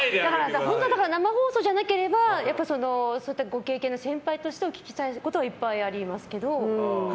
生放送じゃなければそういったご経験の先輩としてお聞きしたいことはいっぱいありますけど。